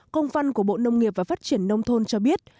công văn của bộ nông nghiệp và phát triển nông thôn cho biết